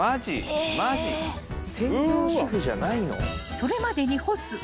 ［それまでに干す］